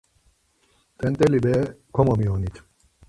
T̆et̆eli bere komomiyonit.